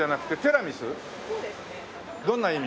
どんな意味？